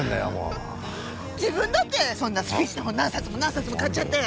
自分だってそんなスピーチの本何冊も何冊も買っちゃって。